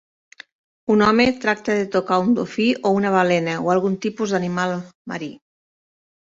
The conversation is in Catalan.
Un home tracta de tocar un dofí o una balena o algun tipus d'animal marí.